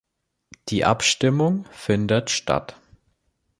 Die Abstimmung findet statt.